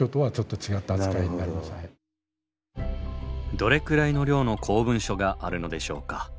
どれくらいの量の公文書があるのでしょうか？